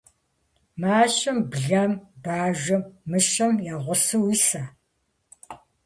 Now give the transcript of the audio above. - Мащэм блэм, бажэм, мыщэм я гъусэу уиса?